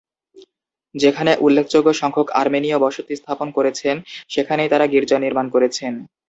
যেখানে উল্লেখযোগ্য সংখ্যক আর্মেনীয় বসতি স্থাপন করেছেন, সেখানেই তারা গির্জা নির্মাণ করেছেন।